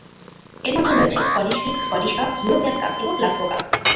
এর মধ্যে রয়েছে "Scottish League", "Scottish Cup", European Cup এবং "গ্লাসগো কাপ"।